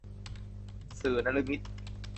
สื่อนฤมิต